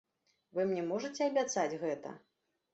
Вы мне можаце абяцаць гэта?